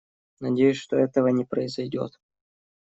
Надеюсь, что этого не произойдет.